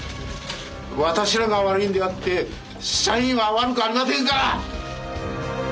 私らが悪いんであって社員は悪くありませんから！